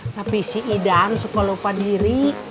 tapi si idan suka lupa diri